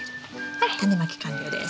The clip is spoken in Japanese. はいタネまき完了です。